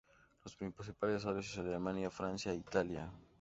Los principales socios son Alemania, Francia e Italia.